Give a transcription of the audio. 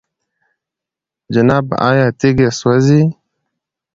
جنابه! آيا تيږي سوزي؟